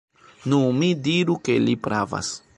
Nu, mi diru ke li pravas.